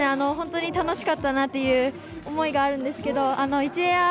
本当に楽しかったなという思いがあるんですけど。